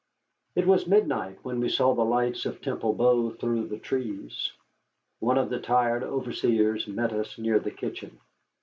It was midnight when we saw the lights of Temple Bow through the trees. One of the tired overseers met us near the kitchen.